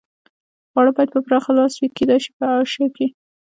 خواړه باید په پراخه لاس وي، کېدای شي په اعاشه کې.